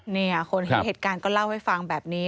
เนี่ยคนเห็นเหตุการณ์ก็เล่าให้ฟังแบบนี้